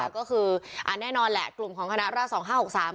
ก็คืออ่าแน่นอนแหละกลุ่มของคณะราชสองห้าหกสาม